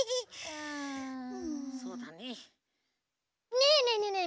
ねえねえねえねえ